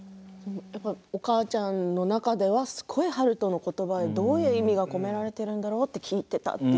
お母ちゃんの中ではすごい悠人の言葉にどういう意味が込められているんだろう？と聞いていたと。